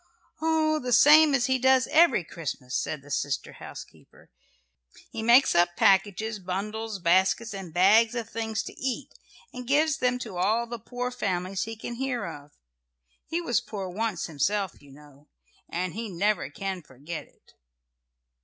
"Oh, the same as he does every Christmas," said the sister housekeeper. "He makes up packages, bundles, baskets and bags of things to eat, and gives them to all the poor families he can hear of. He was poor once himself, you know, and he never can forget it."